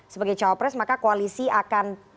sebagai cowok pres maka koalisi akan